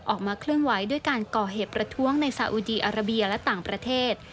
ออกมาเคลื่อนไหวด้วยการก่อเหตุประท้วงในสาอุดีอาราเบียและต่างประเทศ